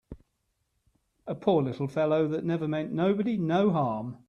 A poor little fellow that never meant nobody no harm!